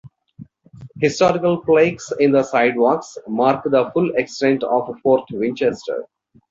Historical plaques in the sidewalks mark the full extent of Fort Winchester.